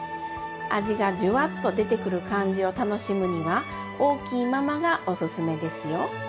味がジュワッと出てくる感じを楽しむには大きいままがおすすめですよ。